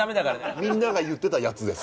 みんなが言ってたやつです。